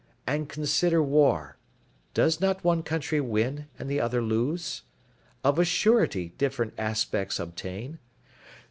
And consider war, does not one country win, and the other lose? Of a surety different aspects obtain...."